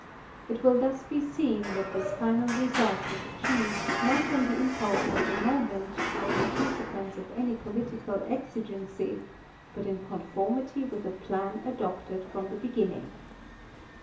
It will thus be seen that this final result was achieved not on the impulse of the moment or in conse quence of any political exigency, but in conformity with a plan adopted from the beginning.